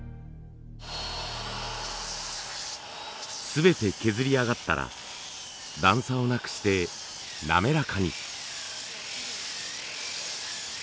全て削り上がったら段差をなくして滑らかに。